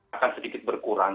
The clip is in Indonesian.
akan sedikit berkurang